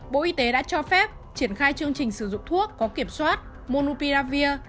bộ y tế đã cho phép triển khai chương trình sử dụng thuốc có kiểm soát monupiravir